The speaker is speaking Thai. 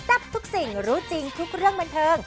ทับทุกสิ่งรู้จริงทุกเรื่องบันเทิง